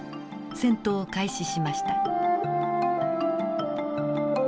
戦闘を開始しました。